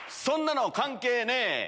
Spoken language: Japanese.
そんなの関係ねえ。